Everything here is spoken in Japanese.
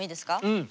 うん。